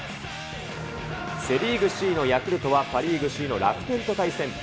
セ・リーグ首位のヤクルトは、パ・リーグ首位の楽天と対戦。